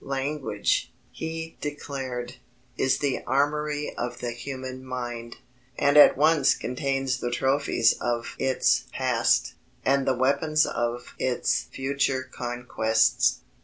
"Language," he declared, "is the armoury of the human mind; and at once contains the trophies of its past, and the weapons of its future conquests."